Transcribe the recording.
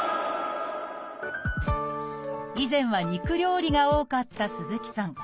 以前は肉料理が多かった鈴木さん。